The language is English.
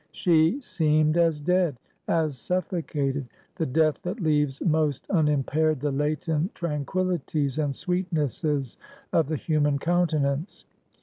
She seemed as dead; as suffocated, the death that leaves most unimpaired the latent tranquillities and sweetnesses of the human countenance.